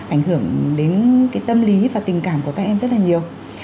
ảnh hưởng đến cái tâm lý và tình cảm của các em rất là nhiều